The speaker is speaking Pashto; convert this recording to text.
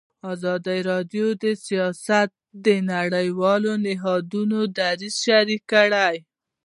ازادي راډیو د سیاست د نړیوالو نهادونو دریځ شریک کړی.